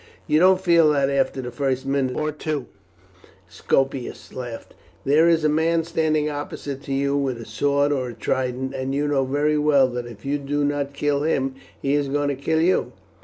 "You don't feel that after the first minute or two," Scopus laughed. "There is a man standing opposite to you with a sword or a trident, and you know very well that if you do not kill him, he is going to kill you.